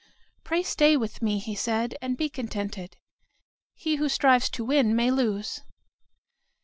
"Pray stay with me," he said, "and be contented. He who strives to win may lose."